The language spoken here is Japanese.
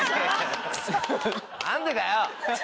何でだよ！